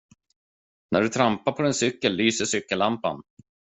När du trampar på din cykel lyser cykellampan.